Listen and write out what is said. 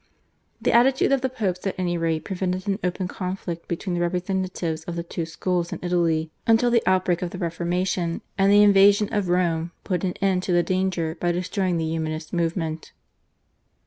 The attitude of the Popes at any rate prevented an open conflict between the representatives of the two schools in Italy until the outbreak of the Reformation and the invasion of Rome put an end to the danger by destroying the Humanist movement.